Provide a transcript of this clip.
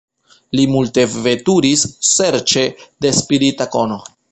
Li multe veturis serĉe de spirita kono.